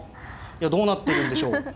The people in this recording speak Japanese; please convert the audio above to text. いやどうなってるんでしょう。